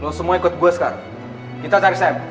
lo semua ikut gue sekarang kita cari sam